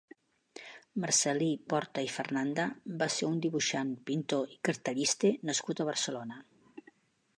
Marcel·lí Porta i Fernanda va ser un dibuixant, pintor i cartellista nascut a Barcelona.